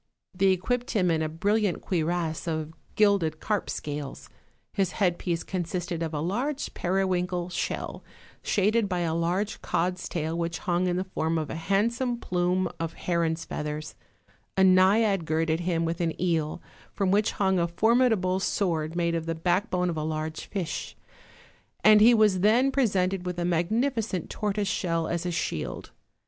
They equipped him in a brilliant cuirass of gilded carp scales; his headpiece consisted of a large periwinkle shell, shaded by a large cod's tail which hung in the form of a handsome plume of heron's feathers; a naiad girded him with an eel, from which hung a formidable sword made of the backbone of a large fish; and he was then presented with a magnificent tortoise shell as a shield.